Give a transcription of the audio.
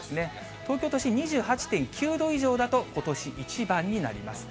東京都心２８．９度以上だと、ことし一番になります。